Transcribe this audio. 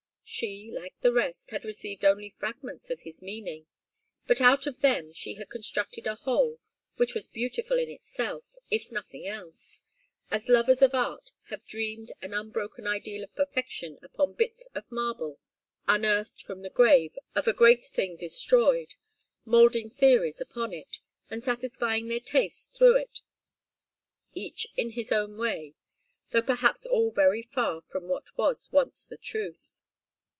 She, like the rest, had received only fragments of his meaning; but out of them she had constructed a whole which was beautiful in itself, if nothing else as lovers of art have dreamed an unbroken ideal of perfection upon bits of marble unearthed from the grave of a great thing destroyed, moulding theories upon it, and satisfying their tastes through it, each in his own way, though perhaps all very far from what was once the truth.